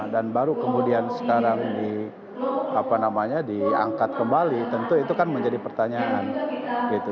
dan baru kemudian sekarang diangkat kembali tentu itu kan menjadi pertanyaan gitu